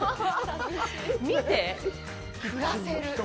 見て、暮らせる。